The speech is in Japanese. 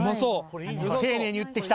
丁寧に打ってきた。